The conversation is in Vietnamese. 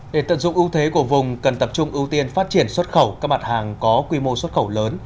để tận dụng ưu thế của vùng cần tập trung ưu tiên phát triển xuất khẩu các mặt hàng có quy mô xuất khẩu lớn